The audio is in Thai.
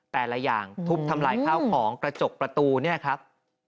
แต่ละอย่างทุบทำลายข้าวของกระจกประตูเนี่ยครับ